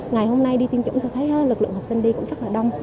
ngày hôm nay đi tiêm chủng tôi thấy lực lượng học sinh đi cũng rất là đông